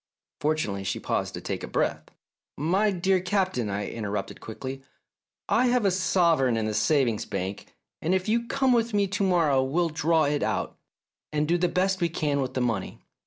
Fortunately she paused to take breath. " My dear Captain," I interrupted quickly, I have a sovereign in the savings bank, and if you come with me to morrow we'll draw it out, and do the best we can with the money.